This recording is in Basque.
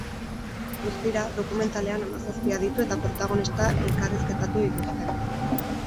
Guztira, dokumentalean hamazazpi aditu eta protagonista elkarrizketatu dituzte.